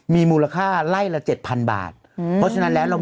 มีโควธโลกตายหมดแล้วน้อง